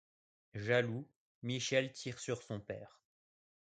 Jaloux, Michel tire sur son père.